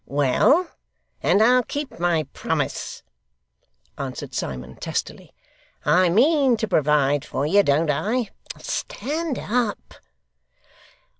Well, and I'll keep my promise,' answered Simon, testily. 'I mean to provide for you, don't I? Stand up!